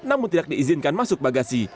namun tidak diizinkan masuk bagasi